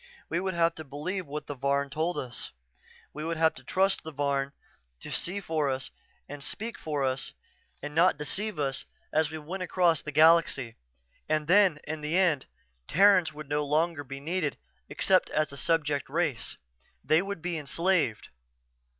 We would have to believe what the Varn told us we would have to trust the Varn to see for us and speak for us and not deceive us as we went across the galaxy. And then, in the end, Terrans would no longer be needed except as a subject race. They would be enslaved.